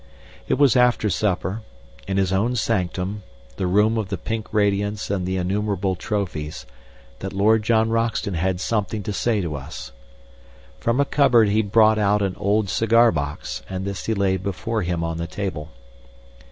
It was after supper, in his own sanctum the room of the pink radiance and the innumerable trophies that Lord John Roxton had something to say to us. From a cupboard he had brought an old cigar box, and this he laid before him on the table.